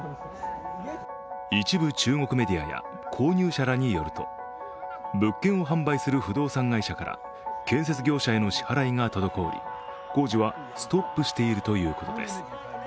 一部中国メディアや購入者らによると物件を販売する不動産会社から建設業者への支払いが滞り、工事はストップしているということです。